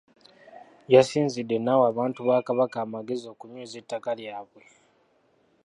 W’asinzidde n’awa abantu ba Kabaka amagezi okunyweza ettaka lyabwe.